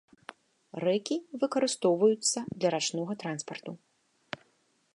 Рэкі выкарыстоўваюцца для рачнога транспарту.